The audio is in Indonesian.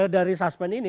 dari suspend ini